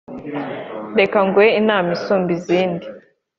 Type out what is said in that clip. reka nguhe inama isumba izindi